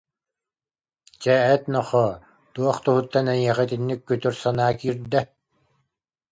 Чэ, эт, нохоо, туох туһуттан эйиэхэ итинник күтүр санаа киирдэ?